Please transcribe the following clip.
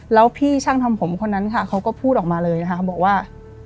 แล้วพี่ช่างทำผมคนนั้นค่ะเขาก็พูดออกมาเลยนะคะเขาบอกว่า